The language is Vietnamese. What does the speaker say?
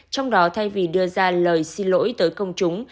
trong đó thay vì đưa ra lời xin lỗi tới công chúng